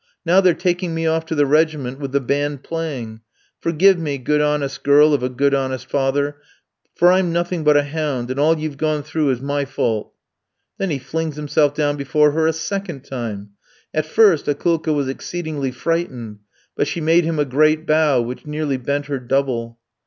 Now they're taking me off to the regiment with the band playing. Forgive me, good honest girl of a good honest father, for I'm nothing but a hound, and all you've gone through is my fault.' "Then he flings himself down before her a second time. At first Akoulka was exceedingly frightened; but she made him a great bow, which nearly bent her double.